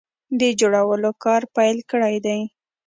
د جوړولو کار پیل کړی دی